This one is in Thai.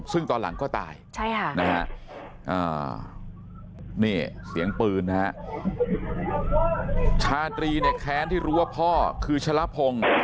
ซึ่งตอนหลังก็ตายนี่เสียงปืนนะฮะชาตรีเนี่ยแค้นที่รู้ว่าพ่อคือชะละพงศ์